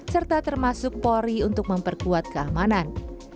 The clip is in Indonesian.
serta termasuk polri untuk memperkuat keamanan